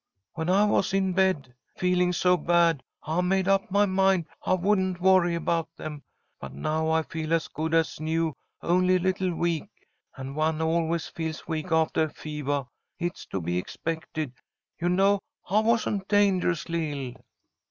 When I was in bed, feeling so bad, I made up my mind I wouldn't worry about them, but now I feel as good as new, only a little weak, and one always feels weak aftah fevah. It's to be expected. You know I wasn't dangerously ill."